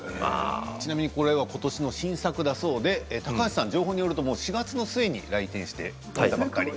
ちなみにこれは今年の新作だそうで高橋さん情報によるともう４月の末に来店して食べたばっかり。